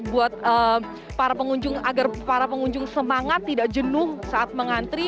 buat para pengunjung agar para pengunjung semangat tidak jenuh saat mengantri